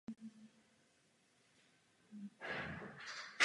Za nacistické okupace byl vězněn v koncentračním táboře Sachsenhausen.